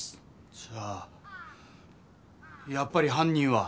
じゃあやっぱりはん人は。